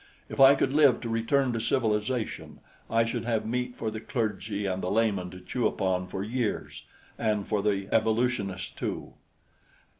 If I could live to return to civilization, I should have meat for the clergy and the layman to chew upon for years and for the evolutionists, too.